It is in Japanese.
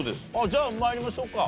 じゃあ参りましょうか。